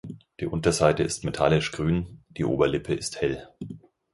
Die Unterseite ist metallisch grün, die Oberlippe ist hell.